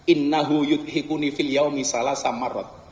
inna huyuthi kuni fil yaumi salah sama rot